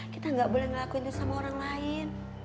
kita nggak boleh ngelakuin itu sama orang lain